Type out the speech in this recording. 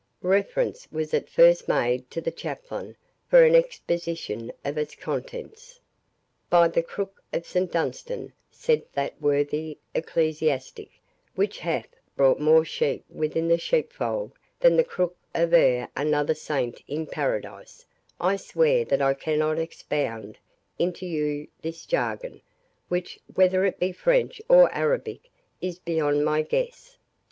Reference was at first made to the chaplain for an exposition of its contents. "By the crook of St Dunstan," said that worthy ecclesiastic, "which hath brought more sheep within the sheepfold than the crook of e'er another saint in Paradise, I swear that I cannot expound unto you this jargon, which, whether it be French or Arabic, is beyond my guess."